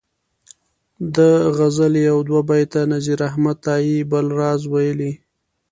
دې غزلي یو دوه بیته نذیر احمد تائي بل راز ویلي.